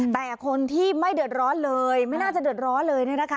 แต่คนที่ไม่เดือดร้อนเลยไม่น่าจะเดือดร้อนเลยเนี่ยนะคะ